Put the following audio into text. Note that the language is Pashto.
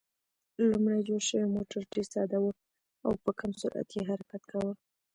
لومړی جوړ شوی موټر ډېر ساده و او په کم سرعت یې حرکت کاوه.